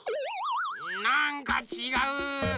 なんかちがう。